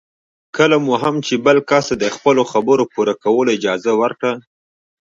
کله مو هم چې بل کس ته د خپلو خبرو پوره کولو اجازه ورکړه.